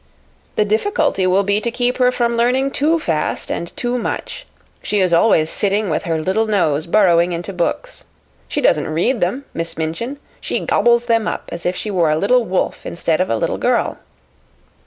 "The difficulty will be to keep her from learning too fast and too much. She is always sitting with her little nose burrowing into books. She doesn't read them, Miss Minchin; she gobbles them up as if she were a little wolf instead of a little girl.